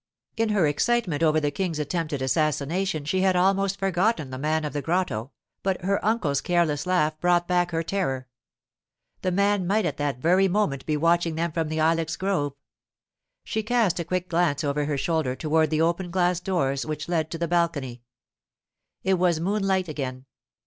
In her excitement over the King's attempted assassination she had almost forgotten the man of the grotto, but her uncle's careless laugh brought back her terror. The man might at that very moment be watching them from the ilex grove. She cast a quick glance over her shoulder toward the open glass doors which led to the balcony. It was moonlight again.